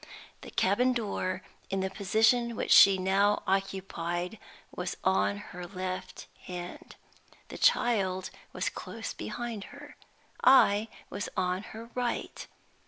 The cabin door, in the position which she now occupied, was on her left hand. The child was close behind her. I was on her right.